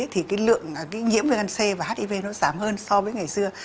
thì cái lượng nhiễm viêm gan c và hiv nó giảm hơn so với ngày xưa